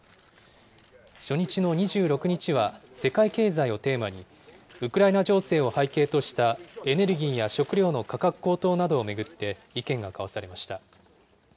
初日の２６日は、世界経済をテーマに、ウクライナ情勢を背景としたエネルギーや食料の価格高騰などを巡って意見が交わされました。